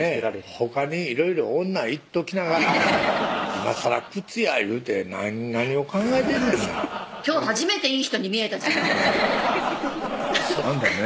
ほかにいろいろ女行っときながらいまさら靴やいうて何を考えてんねんな今日初めていい人に見えたじゃんあんたね